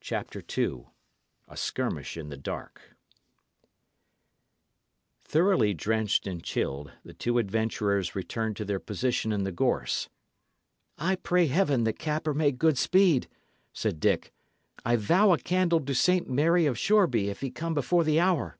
CHAPTER II A SKIRMISH IN THE DARK Thoroughly drenched and chilled, the two adventurers returned to their position in the gorse. "I pray Heaven that Capper make good speed!" said Dick. "I vow a candle to St. Mary of Shoreby if he come before the hour!"